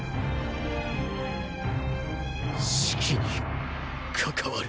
士気に関わる。